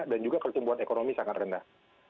dan juga pertumbuhan ekonomi sangat rendah